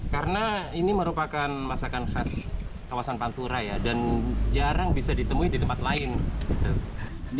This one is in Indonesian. karena ini merupakan masakan khas kawasan pantura ya dan jarang bisa ditemui di tempat lain